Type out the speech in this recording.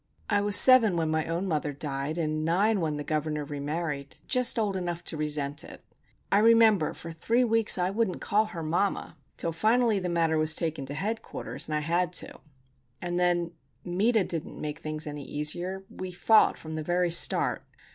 I was seven when my own mother died, and nine when the governor remarried,—just old enough to resent it. I remember for three weeks I wouldn't call her 'mamma,' till finally the matter was taken to headquarters, and I had to. And then Meta didn't make things any easier. We fought from the very start.